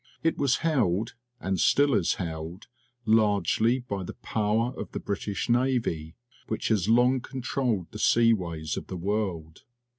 It was held, and still is held, largely by the power of the British Navy, which has long controlled the sea ways of the world.